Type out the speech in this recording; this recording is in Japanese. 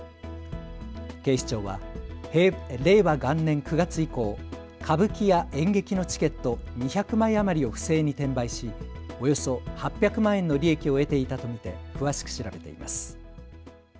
警視庁は令和元年９月以降、歌舞伎や演劇のチケット２００枚余りを不正に転売しおよそ８００万円の利益を得ていたと見て詳しく調べています。